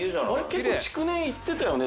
結構築年いってたよね？